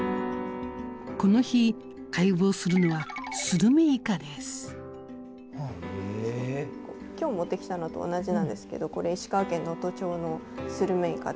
この日解剖するのは今日持ってきたのと同じなんですけどこれ石川県能登町のスルメイカで。